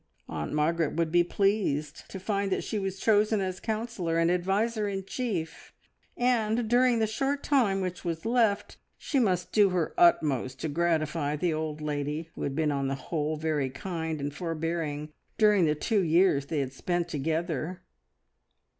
Aunt Margaret would be pleased to find that she was chosen as counsellor and adviser in chief, and during the short time which was left she must do her utmost to gratify the old lady, who had been on the whole very kind and forbearing during the two years which they had spent together.